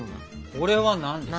これは何ですか？